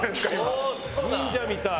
「忍者みたい」！